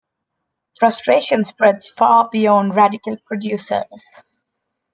Frustration spreads far beyond radical producers.